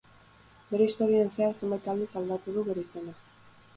Bere historian zehar zenbait aldiz aldatu du bere izena.